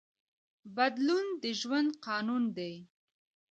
بدلون د ژوند قانون دی.